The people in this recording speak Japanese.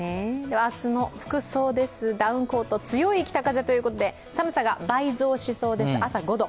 明日の服装です、ダウンコート、強い北風ということで寒さが倍増しそうです、朝５度。